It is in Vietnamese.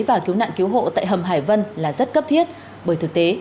và cứu nạn cứu hộ tại hầm hải vân là rất cấp thiết